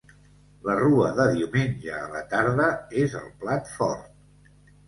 La rua de diumenge a la tarda és el plat fort.